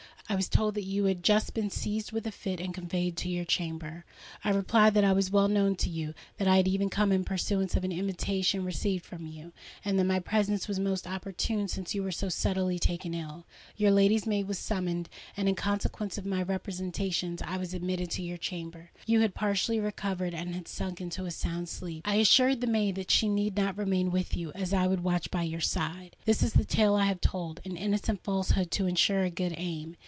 I was told that you had just been seized with a fit, and conveyed to your chamber. I replied that I was well known to you—that I had even come in pursuance of an invitation received from you—and that my presence was most opportune since you were so suddenly taken ill. Your lady's maid was summoned, and, in consequence of my representations, I was admitted to your chamber. You had partially recovered, and had sunk into a sound sleep. I assured the maid that she need not remain with you, as I would watch by your side. This is the tale I have told—an innocent falsehood to ensure a good aim.